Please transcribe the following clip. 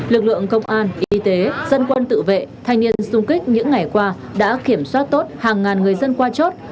lực lượng công an y tế dân quân tự vệ thanh niên xung kích những ngày qua đã kiểm soát tốt hàng ngàn người dân qua chốt